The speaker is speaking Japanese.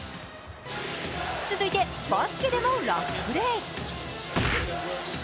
続いてバスケでもラフプレー。